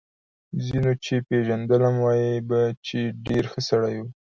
ځینو چې پېژندلم وايي به چې ډېر ښه سړی و